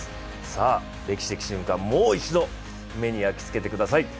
さあ、歴史的瞬間、もう一度目に焼き付けてください。